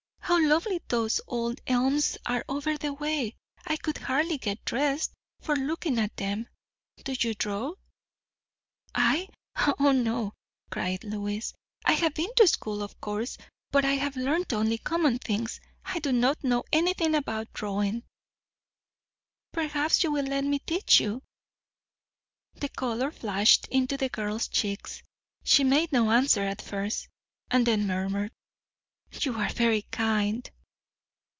How lovely those old elms are over the way! I could hardly get dressed, for looking at them. Do you draw?" "I? O no!" cried Lois. "I have been to school, of course, but I have learned only common things. I do not know anything about drawing." "Perhaps you will let me teach you?" The colour flashed into the girl's cheeks; she made no answer at first, and then murmured, "You are very kind!"